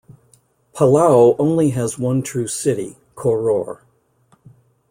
Palau only has one true city, Koror.